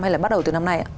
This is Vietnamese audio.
hay là bắt đầu từ năm nay ạ